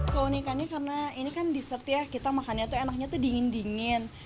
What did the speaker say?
keunikannya karena ini kan dessert ya kita makannya tuh enaknya tuh dingin dingin